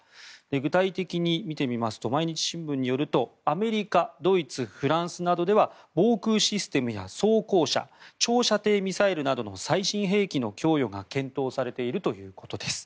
具体的に見てみますと毎日新聞によるとアメリカ、ドイツフランスなどでは防空システムや装甲車長射程ミサイルなどの最新兵器の供与が検討されているということです。